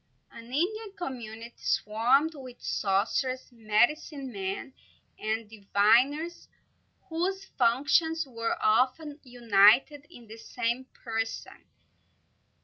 An Indian community swarmed with sorcerers, medicine men, and diviners, whose functions were often united in the same person.